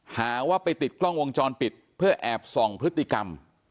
หาว่าไปติดกล้องวงจรปิดเพื่อแอบส่องพฤติกรรม